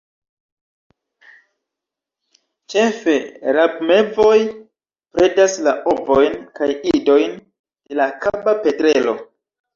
Ĉefe rabmevoj predas la ovojn kaj idojn de la Kaba petrelo.